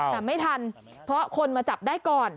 แต่ไม่ทันเพราะคนมาจับได้ก่อน